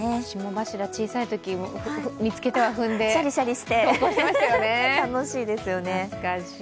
霜柱、小さいとき、見つけては踏んで登校していましたよね。